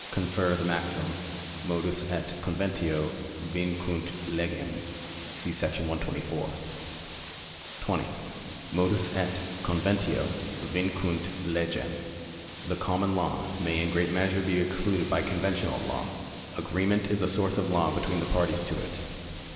Cf. the maxim : Modus et conventio vincunt legem. See § 124. 20. Modus et conventio vincunt legem. 2 Co. Rep. 73. The common law may in great measure be excluded by conventional law. Agreement is a source of law between the parties to it.